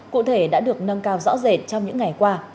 cụ thể đã được nâng cao rõ rệt trong những ngày qua